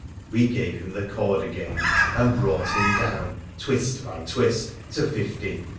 We gave him the cord again, and brought him down, twist by twist, to fifty.